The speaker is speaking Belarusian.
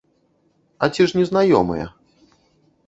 А ці ж незнаёмыя?